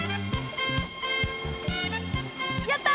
やった！